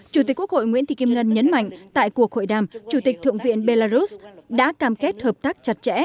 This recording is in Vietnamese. chủ tịch quốc hội nguyễn thị kim ngân nhấn mạnh tại cuộc hội đàm chủ tịch thượng viện belarus đã cam kết hợp tác chặt chẽ